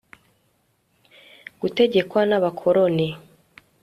gutegekwa n abakoroni